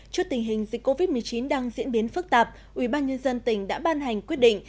trước tình hình dịch covid một mươi chín đang diễn biến phức tạp ubnd tỉnh đã ban hành quyết định